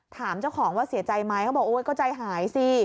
ถามเจ้าของว่าเสียใจไหมเขาบอกโอ๊ยก็ใจหายสิ